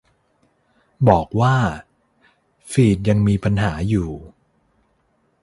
บอกว่า ฟีดยังมีปัญหาอยู่